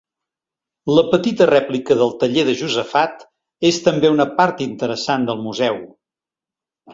La petita rèplica del taller de Josafat és també una part interessant del museu.